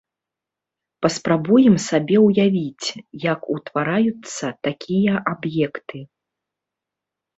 Паспрабуем сабе ўявіць, як утвараюцца такія аб'екты.